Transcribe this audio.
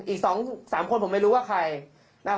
อีก๒๓คนผมไม่รู้ว่าใคร